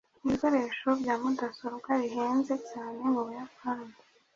Ibikoresho bya mudasobwa bihenze cyane mubuyapani.